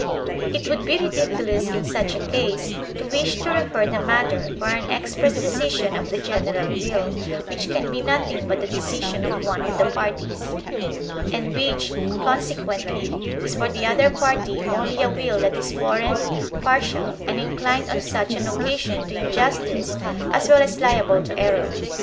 It would be ridiculous in such a case to wish to refer the THE LIMITS OF THE SOVEREIGN POWER 27 matter for an express decision of the general will, which can be nothing but the decision of one of the parties, and which, consequently, is for the other party only a will that is foreign, partial, and inclined on such an occasion to injustice as well as liable to error.